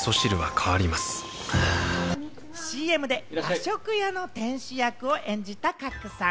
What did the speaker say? ＣＭで和食屋の店主役を演じた賀来さん。